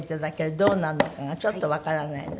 どうなるのかがちょっとわからないので。